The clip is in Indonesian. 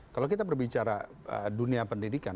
kalau kita berbicara dunia pendidikan